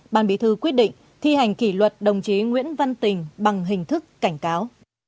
ban bí thư quyết định thi hành kỷ luật đồng chí nguyễn văn tình bằng hình thức cảnh cáo